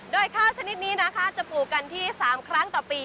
โดยข้าวชนิดนี้นะคะจะปลูกกันที่๓ครั้งต่อปี